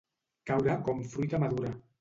Caure com fruita madura.